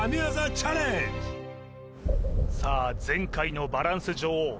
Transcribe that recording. さあ前回のバランス女王